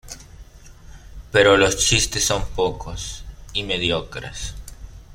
Pero los chistes son pocos y mediocres.